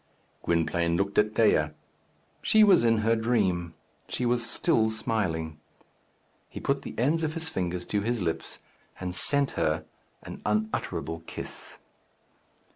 Gwynplaine looked at Dea. She was in her dream. She was still smiling. He put the ends of his fingers to his lips, and sent her an unutterable kiss.